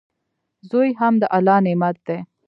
زوی هم د الله نعمت دئ.